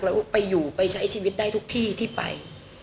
แล้วไปอยู่ไปใช้ชีวิตได้ทุกที่ที่ไป